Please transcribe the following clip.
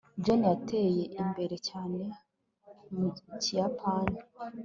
jane yateye imbere cyane mu kiyapani